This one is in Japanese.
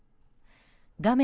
画面